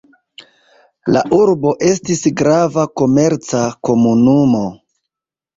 La urbo estis grava komerca komunumo.